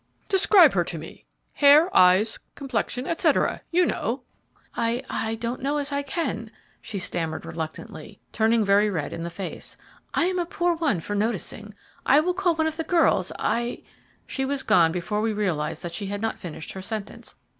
"Describe her to me, hair, eyes, complexion, etc.; you know." "I I don't know as I can," she stammered reluctantly, turning very red in the face. "I am a poor one for noticing. I will call one of the girls, I " She was gone before we realized she had not finished her sentence.